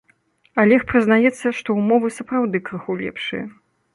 Алег прызнаецца, што ўмовы сапраўды крыху лепшыя.